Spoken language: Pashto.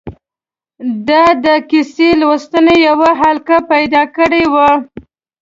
ده د کیسه لوستنې یوه حلقه پیدا کړې وه.